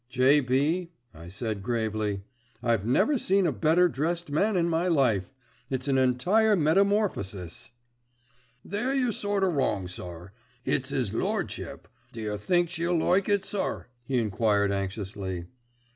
"J.B.," I said gravely, "I've never seen a better dressed man in my life. It's an entire metamorphosis."; "There you're sort o' wrong, sir. It's 'is Lordship. D'yer think she'll like it, sir?" he enquired anxiously.